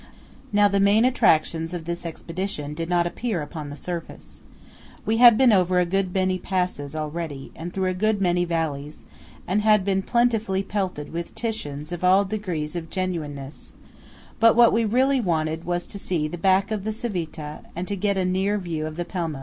Now the main attractions of this expedition did not appear upon the surface. We had been over a good many passes already, and through a good many valleys, and had been plentifully pelted with Titians of all degrees of genuineness; but what we really wanted was to see the back of the Civita, and to get a near view of the Pelmo.